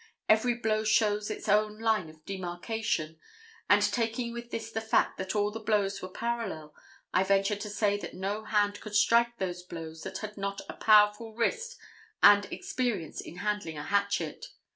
Every blow shows its own line of demarcation and, taking with this the fact that all the blows were parallel, I venture to say that no hand could strike those blows that had not a powerful wrist and experience in handling a hatchet.